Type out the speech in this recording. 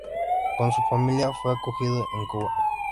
Con su familia, fue acogido en Cuba.